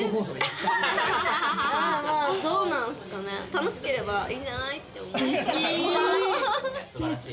楽しければいいんじゃないって。